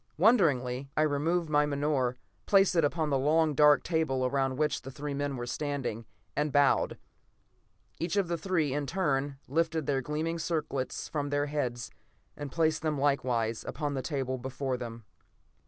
Wonderingly, I removed my menore, placed it upon the long, dark table around which the three men were standing, and bowed. Each of the three, in turn, lifted their gleaming circlets from their heads, and placed them likewise upon the table before them.